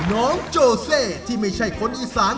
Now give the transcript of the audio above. น้องโจเซที่ไม่ใช่คนอีสาน